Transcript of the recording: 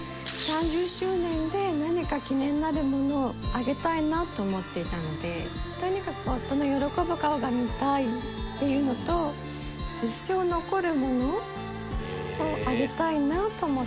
３０周年で何か記念になるものをあげたいなと思っていたのでとにかく夫の喜ぶ顔が見たいっていうのと一生残るものをあげたいなと思ってあげました。